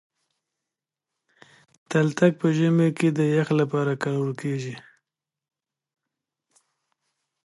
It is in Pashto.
تلتک په ژمي کي د يخ لپاره کارول کېږي.